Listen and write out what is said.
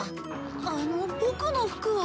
あのボクの服は？